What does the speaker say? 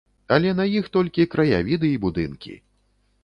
Але на іх толькі краявіды і будынкі.